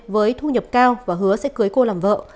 với thu nhập cao và hứa sẽ cưới cô làm vợ